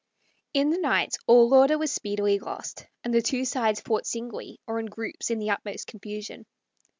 In the night all order was speedily lost, and the two sides fought singly or in groups in the utmost confusion.